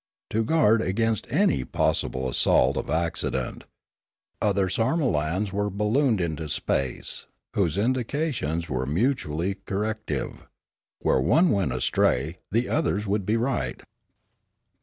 To guard against any possible assault of accident, other sarmolans were bal looned into space whose indications were mutually cor rective; where one went astray, the others would be right.